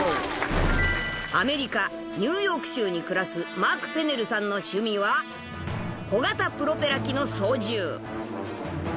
［ニューヨーク州に暮らすマーク・ペネルさんの趣味は小型プロペラ機の操縦］